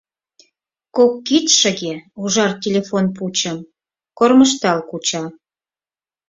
Кок кидшыге ужар телефон пучым кормыжтал куча.